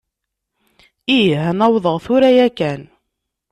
Ih, ad n-awḍeɣ tura yakan.